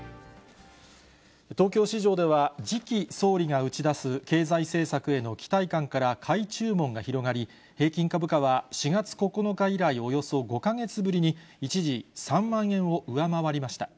東京市場では、次期総理が打ち出す経済政策への期待感から買い注文が広がり、平均株価は４月９日以来、およそ５か月ぶりに、一時３万円を上回りました。